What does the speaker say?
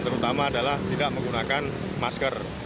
terutama adalah tidak menggunakan masker